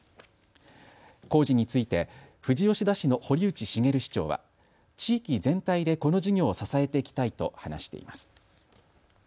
工事について富士吉田市の堀内茂市長は地域全体でこの事業を支えていきたいと話しています。